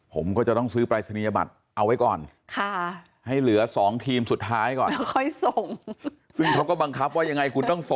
ผมก็จะต้องซื้อปริศนีย์บัตรเอาไว้ก่อน